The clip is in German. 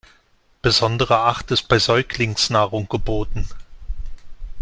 Besondere Acht ist bei Säuglingsnahrung geboten.